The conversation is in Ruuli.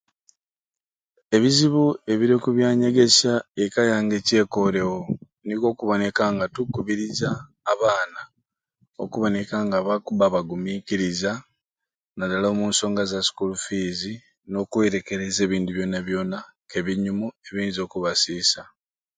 Ebizibu ebiri oku byanyegesya eka yange kyekoorewo nikwo kuboneka nga tukukubiriza abaana okubba nga bakubba bagumiikiriza nadala omu nsonga za sikuulu fiizi n'okwerekereza ebintu byoona byoona k'ebinyumo ebiyinza okubasiisa